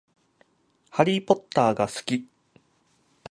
ハリーポッターが好き